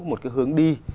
một cái hướng đi